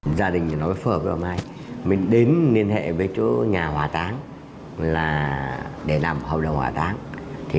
về gia đình nói phật về mai mình đến liên hệ với chỗ nhà hỏa táng là để làm hợp đồng hỏa táng thì